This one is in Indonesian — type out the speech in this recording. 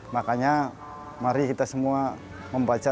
makanya mari kita semua membaca